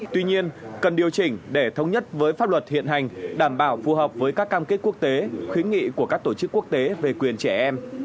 tuy nhiên cần điều chỉnh để thống nhất với pháp luật hiện hành đảm bảo phù hợp với các cam kết quốc tế khuyến nghị của các tổ chức quốc tế về quyền trẻ em